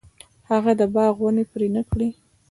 هغه د باغ ونې پرې نه کړې.